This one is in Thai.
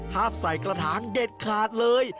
ใส่กระถางเด็ดขาดเลย